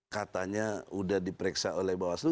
katanya sudah diperiksa oleh bawaslu